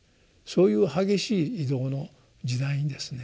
そういう激しい移動の時代にですね